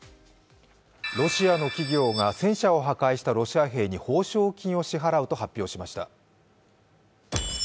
ロシアの企業が、戦車を破壊したロシア兵に褒賞金を支払うと発表しました。